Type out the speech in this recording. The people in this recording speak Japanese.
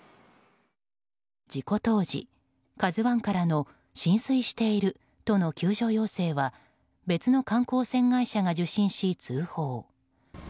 事故当時、「ＫＡＺＵ１」からの浸水しているとの救助要請は別の観光船会社が受信し、通報。